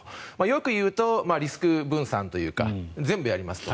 よく言うと、リスク分散というか全部やりますと。